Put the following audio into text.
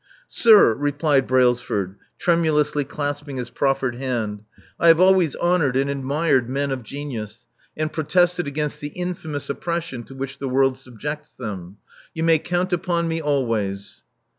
"Sir," replied Brailsford, tremulously clasping his proiTered hand: *'I have always honored and admired Love Among the Artists 421 men of genius, and protested against the infamous oppression to which the world subjects them. You may count upon me always."